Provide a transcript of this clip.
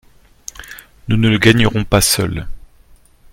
Nous ne le gagnerons pas seuls.